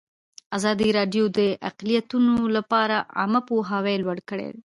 ازادي راډیو د اقلیتونه لپاره عامه پوهاوي لوړ کړی.